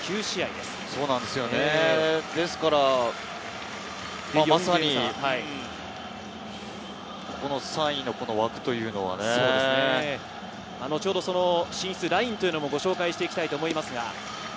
ですから、３位のこの枠というのはね。後ほど進出ラインというのもご紹介していきたいと思います。